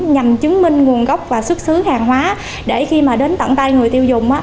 nhằm chứng minh nguồn gốc và xuất xứ hàng hóa để khi mà đến tận tay người tiêu dùng